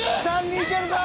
３人いけるぞ！